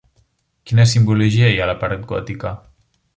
Quina simbologia hi ha a la part gòtica?